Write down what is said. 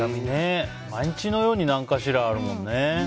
毎日のように何かしらあるもんね。